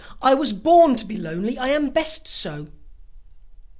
I was born to be lonely, I am best so!"